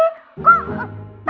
bilang siap sekarang ya